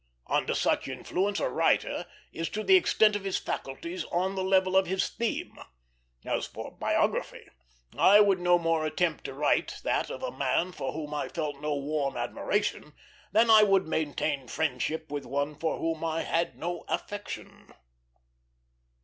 Under such influence a writer is to the extent of his faculties on the level of his theme. As for biography, I would no more attempt to write that of a man for whom I felt no warm admiration, than I would maintain friendship with one for whom I had no affection.